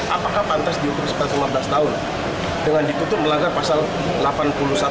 apakah pantas diutukkan selama lima belas tahun dengan ditutup melanggar pasal delapan puluh satu ayat dua